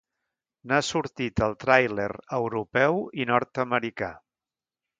N'ha sortit el tràiler europeu i nord-americà.